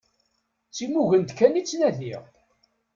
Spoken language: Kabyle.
D timugent kan i ttnadiɣ.